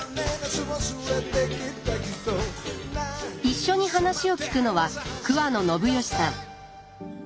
一緒に話を聞くのは桑野信義さん。